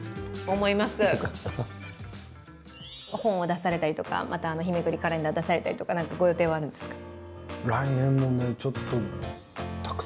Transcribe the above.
本を出されたりとか、日めくりカレンダーを出されたりとか何かご予定はあるんですか。